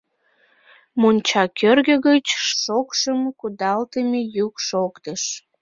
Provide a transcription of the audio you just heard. Монча кӧргӧ гыч шокшым кудалтыме йӱк шоктыш.